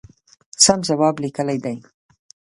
سم جواب لیکلی دی.